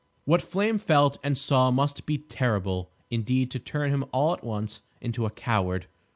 What Flame felt, and saw, must be terrible indeed to turn him all at once into a coward.